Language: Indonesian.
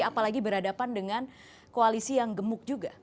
apalagi berhadapan dengan koalisi yang gemuk juga